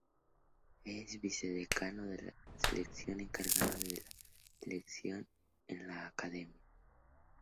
Es vicedecano de la sección encargada de la elección en la Academia.